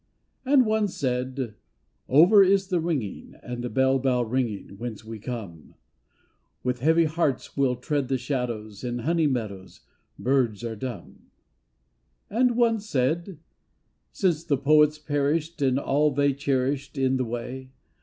And one said :" Over is the singing, And bell bough ringing, whence we come; With heavy hearts we'll tread the shadows, In honey meadows birds are dumb." And one said :" Since the poets perished And all they cherisihed in the way.